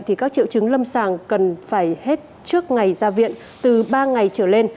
thì các triệu chứng lâm sàng cần phải hết trước ngày ra viện từ ba ngày trở lên